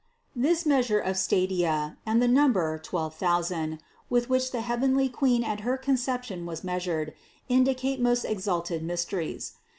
This measure of "stadia" and the number "twelve thou sand" with which the heavenly Queen at her Conception was measured, indicate most exalted mysteries.